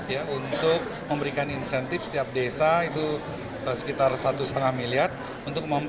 ya untuk memberikan insentif setiap desa itu sekitar rp satu lima miliar untuk mengimplementasikan dari analysi analisis tujuan menjaga